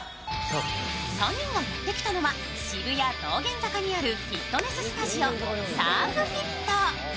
３人がやってきたのは渋谷・道玄坂にあるフィットネススタジオ、ＳｕｒｆＦｉｔ。